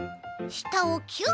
したをキュッ。